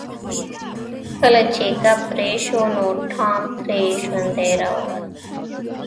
کله چې کب پرې شو نو ټام ترې ژوندی راووت.